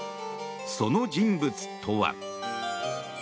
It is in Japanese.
その人物とは。